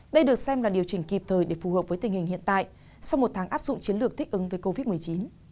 đây được xem là điều chỉnh kịp thời để phù hợp với tình hình hiện tại sau một tháng áp dụng chiến lược thích ứng với covid một mươi chín